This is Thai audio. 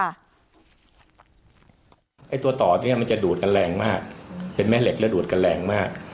ไอ้ตัวต่อเนี่ยมันจะดูดกันแรงมากเป็นแม่เหล็กและดูดกันแรงมาก